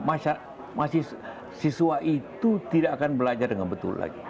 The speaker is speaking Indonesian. masih siswa itu tidak akan belajar dengan betul lagi